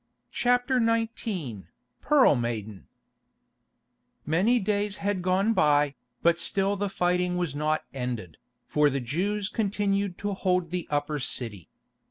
CHAPTER XIX PEARL MAIDEN Many days had gone by, but still the fighting was not ended, for the Jews continued to hold the Upper City.